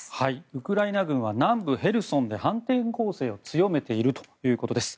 ウクライナ軍は南部ヘルソンで反転攻勢を強めているということです。